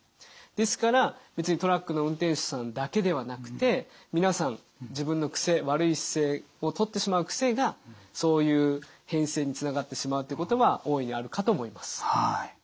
ですから別にトラックの運転手さんだけではなくて皆さん自分の癖悪い姿勢をとってしまう癖がそういう変性につながってしまうっていうことは大いにあるかと思います。